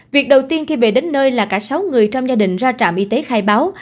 việc đầu tiên khi về đến nơi là cả sáu người trong gia đình ra trạm y tế khai báo